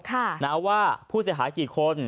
ค่ะนะว่าผู้เสียหายกี่คน